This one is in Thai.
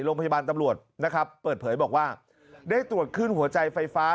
โรงพยาบาลตำรวจนะครับเปิดเผยบอกว่าได้ตรวจขึ้นหัวใจไฟฟ้า